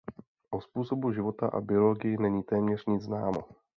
O způsobu života a biologii není téměř nic známo.